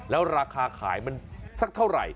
แล้วราคาขายมันสักเท่าไหร่